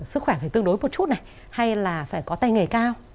sức khỏe phải tương đối một chút này hay là phải có tay nghề cao